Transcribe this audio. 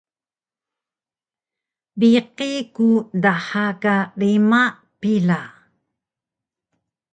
Biqi ku dha ka rima pila